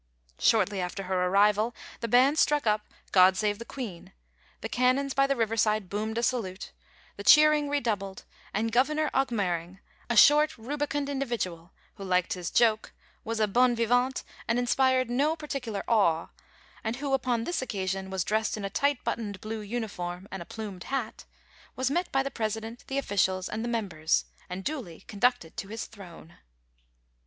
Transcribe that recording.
Shortly after her arrival the band struck up * God save the Queen,' the cannons by the river dde boomed a salute, the THE COUP UiiTAT. I43 cheering redoubled, and Governor Augmering, a short, rubi cund individual, who liked his joke, was a Aw rmur/, and inspired no particular awe, and who upon this occasion was dressed in a dght buttoned blue uniform and a plumed hat, was met by the President, the officials, and the members, and duly conducted to his throne.